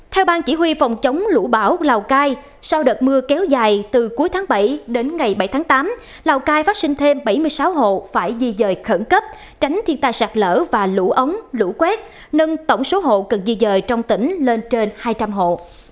theo bang chỉ huy phòng chống lũ bão lào cai sau đợt mưa kéo dài từ cuối tháng bảy đến ngày bảy tháng tám lào cai phát sinh thêm bảy mươi sáu hộ phải di dời khẩn cấp tránh thiên tai sạt lở và lũ ống lũ quét nâng tổng số hộ cần di dời trong tỉnh lên trên hai trăm linh hộ